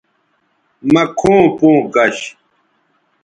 مہ کھوں پوں کش